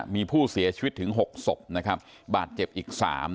มีผู้เสียชีวิตถึง๖ศพนะครับบาดเจ็บอีก๓